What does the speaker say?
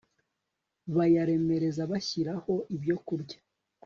bayaremereza bayashyiraho ibyokurya